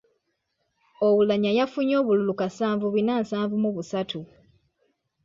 Oulanyah yafunye obululu kasanvu bina nsanvu mu busatu.